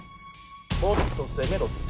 もっと攻めろって！